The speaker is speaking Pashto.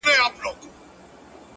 o ستا بې روخۍ ته به شعرونه ليکم؛